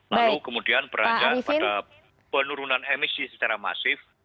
lalu kemudian beranjak pada penurunan emisi secara masif